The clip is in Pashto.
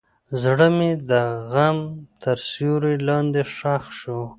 زړه مې د غم تر سیوري لاندې ښخ شو.